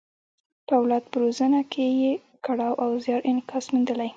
په اولاد په روزنه کې یې کړاو او زیار انعکاس موندلی.